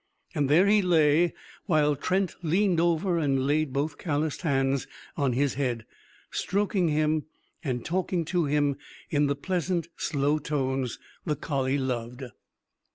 There he lay while Trent leaned over and laid both calloused hands on his head, stroking him and talking to him in the pleasant, slow tones the collie loved.